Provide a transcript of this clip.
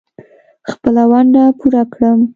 خپله ونډه پوره کړم.